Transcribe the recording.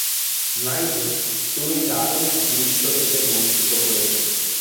Nigel, তুমি দারুণ এক দৃশ্য থেকে বঞ্চিত হয়েছ।